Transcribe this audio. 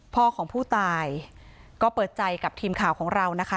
พ่อของผู้ตายก็เปิดใจกับทีมข่าวของเรานะคะ